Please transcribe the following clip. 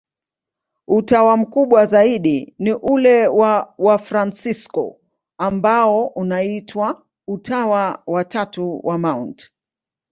Utawa mkubwa zaidi ni ule wa Wafransisko, ambao unaitwa Utawa wa Tatu wa Mt.